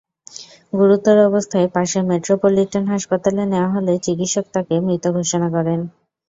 গুরুতর অবস্থায় পাশের মেট্রোপলিটান হাসপাতালে নেওয়া হলে চিকিৎসক তাঁকে মৃত ঘোষণা করেন।